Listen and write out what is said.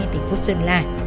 thành phố sơn la